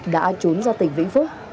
đã trốn ra tỉnh vĩnh phúc